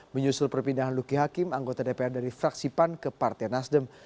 menyusul perpindahan luki hakim anggota dpr dari fraksi pan ke partai nasdem